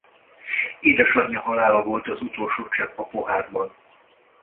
Édesanyja halála volt az utolsó csepp a pohárban.